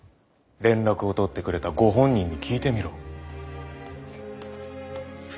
連絡を取ってくれたご本人に聞いてみろ。